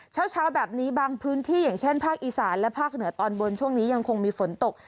เช้าแบบนี้บางพื้นที่อย่างเช่นภาคอีสานและภาคเหนือตอนบนช่วงนี้ยังคงมีฝนตก